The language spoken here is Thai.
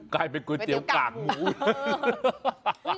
กลายเป็นก๋วยเตี๋ยวกากหมู